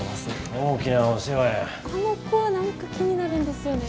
あの子は何か気になるんですよね。